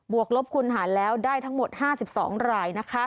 ลบคุณหารแล้วได้ทั้งหมด๕๒ราย